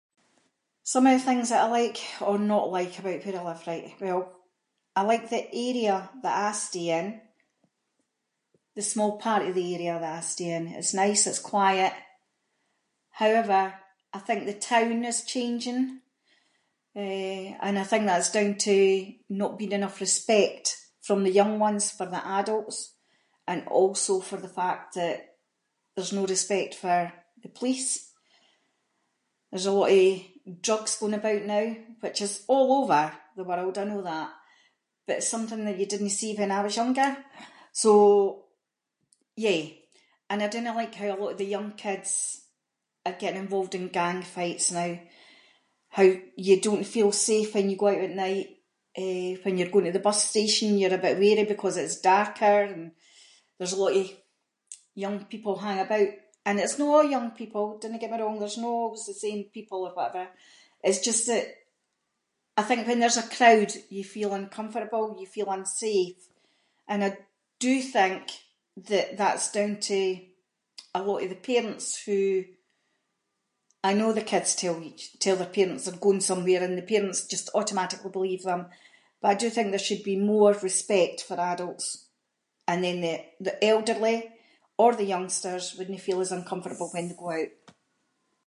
Some of the things that I like or not like about where I live, right, well, I like the area that I stay in, the small part of the area that I stay in, it’s nice, it’s quiet. However, I think the town is changing, eh, and I think that’s down to not being enough respect from the young ones for the adults, and also for the fact that there’s no respect for the police. There’s a lot of drugs going about now, which is all over the world, I know that, but it’s something that you didnae see when I was younger, so yeah and I dinna like how a lot of the young kids are getting involved in gang fights now. How you don’t feel safe when you go out at night, eh, when you’re going to the bus station you’re a bit wary because it’s darker and there’s a lot of young people hang about and it’s no a’ young people, dinna get me wrong, there’s no always the same people or whatever, it’s just that, I think when there’s a crowd you feel uncomfortable, you feel unsafe, and I do think that that’s down to a lot of the parents who I know the kids tell- tell the parents they’re going somewhere and the parents just automatically believe them, but I do think there should be more respect for adults and then the- the elderly or the youngsters wouldnae feel as uncomfortable when they go out.